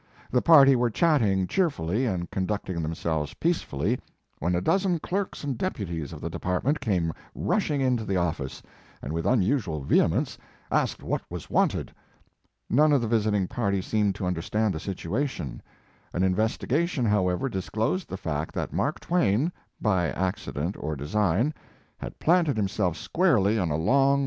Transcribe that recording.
The party were chatting cheerfully and conducting themselves peacefully, when a dozen clerks and deputies of the department came rushing into the office, and with unusual vehemence, asked what was wanted. None of the visiting party seemed to understand the situation. An investigation, however, disclosed the fact that Mark Twain, by accident or design, had planted himself squarely on a long His Life and Work.